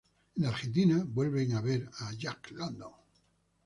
En Argentina vuelve a ver a Jack London.